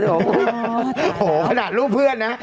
โอ้โหขนาดรูปเพื่อนนะ